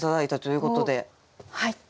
はい。